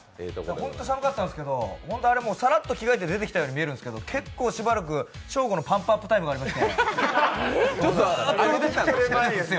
ホント寒かったんですけど、さらっと着替えて出てきたように見えますけど、結構しばらく、ショーゴのパンプアップタイムがありました。